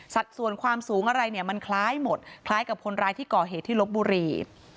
ส่วนความสูงอะไรเนี่ยมันคล้ายหมดคล้ายกับคนร้ายที่ก่อเหตุที่ลบบุรี